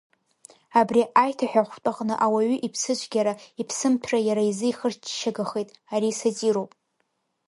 Абри аиҭаҳәахәтә аҟны ауаҩы иԥсыцәгьара, иԥсымҭәра иара изы ихырччагахеит ари сатироуп.